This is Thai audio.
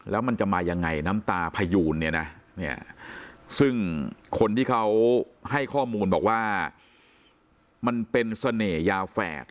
แล้วมันจะมายังไงน้ำตาพยูนเนี่ยนะเนี่ยซึ่งคนที่เขาให้ข้อมูลบอกว่ามันเป็นเสน่หยาแฝด